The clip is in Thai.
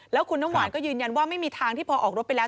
แล้วคุณน้ำหวานก็ยืนยันว่าไม่มีทางที่พอออกรถไปแล้ว